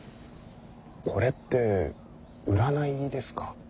これって占いですか。